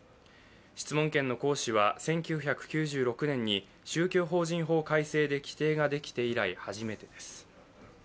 質問権の行使は１９９６年に宗教法改正で規定ができて以来初めてです。